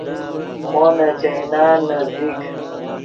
مو نے چائینان نزدیک